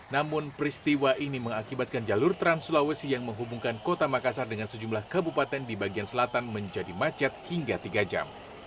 namun peristiwa ini mengakibatkan jalur trans sulawesi yang menghubungkan kota makassar dengan sejumlah kabupaten di bagian selatan menjadi macet hingga tiga jam